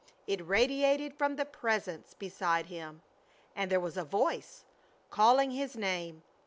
It radiated from the Presence beside him. And there was a Voice, calling his name.